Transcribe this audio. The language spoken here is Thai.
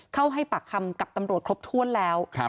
เข้าให้ปากคำกับตำรวจครบถ้วนแล้ว